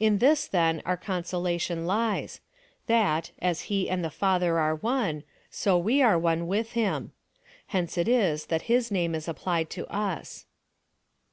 In this, then, our consolation lies — that, as he and the Father are one, so we are one with him. Hence it is that his name is applied to us.